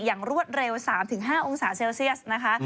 รวดเร็ว๓๕องศาเซลเซียสนะคะ